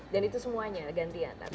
dan itu semuanya gantian